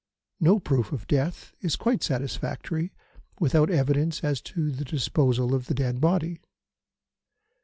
No proof of death is quite satisfactory without evidence as to the disposal of the dead body.